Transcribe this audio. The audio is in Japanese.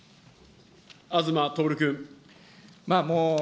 東徹君。